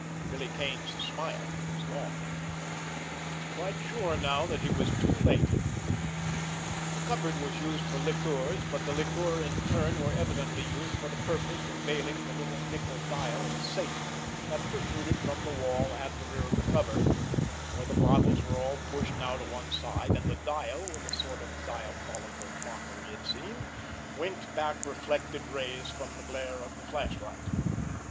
Billy Kane's smile was gone. He was quite sure now that he was too late. The cupboard was used for liqueurs, but the liqueurs in turn were evidently used for the purpose of veiling the little nickel dial of a safe that protruded from the wall at the rear of the cupboard, for the bottles were all pushed now to one side, and the dial, with a sort of diabolical mockery, it seemed, winked back reflected rays from the glare of the flashlight.